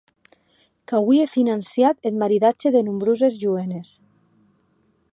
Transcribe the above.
Qu’auie financiat eth maridatge de nombroses joenes.